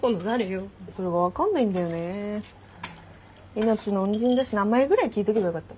命の恩人だし名前ぐらい聞いとけばよかった。